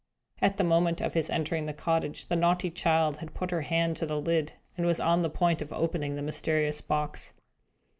At the moment of his entering the cottage, the naughty child had put her hand to the lid, and was on the point of opening the mysterious box.